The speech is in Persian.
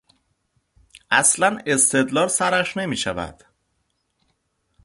اصلا استدلال سرش نمیشود.